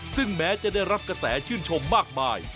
ซึ่งแม้จะได้รับกระแสชื่นชมมากมาย